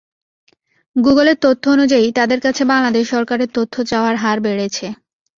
গুগলের তথ্য অনুযায়ী, তাদের কাছে বাংলাদেশ সরকারের তথ্য চাওয়ার হার বেড়েছে।